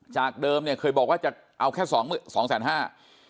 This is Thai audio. จากเดิมเคยบอกว่าจะเอาแค่๒๕๐๐๐๐บาท